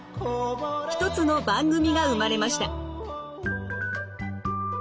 一つの番組が生まれました。